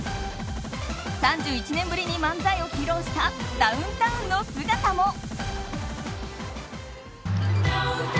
３１年ぶりに漫才を披露したダウンタウンの姿も。